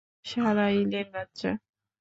শালা ইলের বাচ্চা।